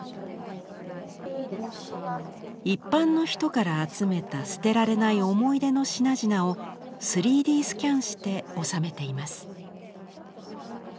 一般の人から集めた捨てられない思い出の品々を３Ｄスキャンして収めています。